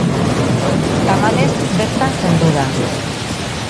Tamalez, bertan zendu da.